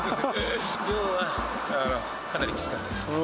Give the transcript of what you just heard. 量はかなりきつかったです。